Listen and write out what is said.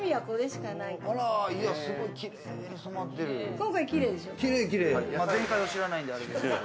今回きれいでしょ？